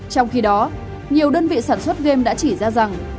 trong khi đó nhiều đơn vị sản xuất game đã chỉ ra rằng